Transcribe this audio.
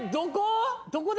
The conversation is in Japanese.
どこ？